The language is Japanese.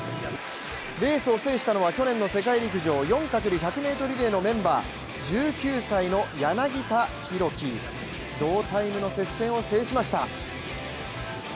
レースを制したのは去年の世界陸上、４×１００ｍリレーのメンバー、１９歳の柳田大輝、同タイムの接戦を制しました。